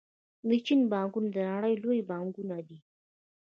د چین بانکونه د نړۍ لوی بانکونه دي.